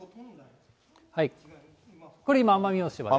これ今、奄美大島です。